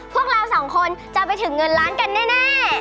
พวกเราสองคนจะไปถึงเงินล้านกันแน่